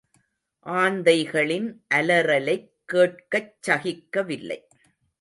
ஆந்தைகளின் அலறலைக் கேட்கச் சகிக்கவில்லை.